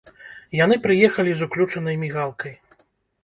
Яны прыехалі з уключанай мігалкай.